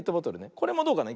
これもどうかな。